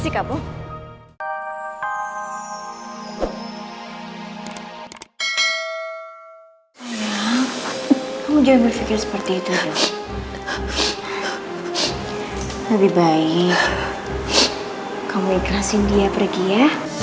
kamu ikhrasin dia pergi ya